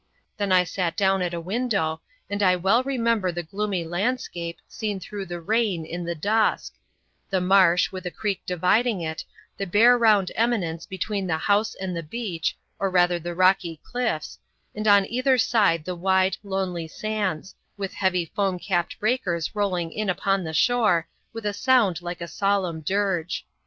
Then I sat down at a window, and I well remember the gloomy landscape, seen through the rain, in the dusk: the marsh, with the creek dividing it, the bare round eminence between the house and the beach, or rather the rocky cliffs, and on either side the wide, lonely sands, with heavy foam capped breakers rolling in upon the shore, with a sound like a solemn dirge.